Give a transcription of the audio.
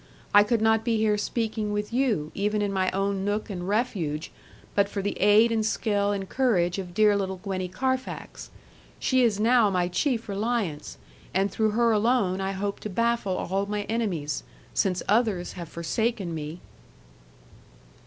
I could not be here speaking with you, even in my own nook and refuge, but for the aid, and skill, and courage of dear little Gwenny Carfax. She is now my chief reliance, and through her alone I hope to baffle all my enemies, since others have forsaken me.'